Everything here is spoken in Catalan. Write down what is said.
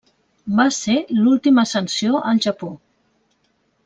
Va ser l'última sanció al Japó.